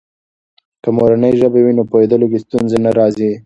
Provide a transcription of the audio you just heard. که مورنۍ ژبه وي، نو پوهیدلو کې ستونزې نه راځي.